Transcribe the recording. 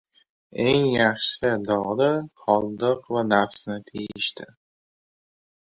Eng yaxshi dori hordiq va nafsni tiyishdir.